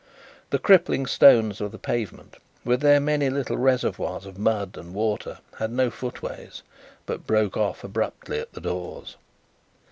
The crippling stones of the pavement, with their many little reservoirs of mud and water, had no footways, but broke off abruptly at the doors.